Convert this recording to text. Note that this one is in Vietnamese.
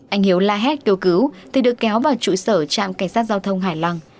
anh hiếu la hét kêu cứu thì được kéo vào trụ sở trạm cảnh sát giao thông hải lăng